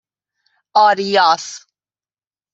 آریاس